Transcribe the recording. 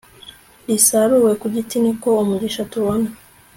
risaruwe ku giti ni ko umugisha tubona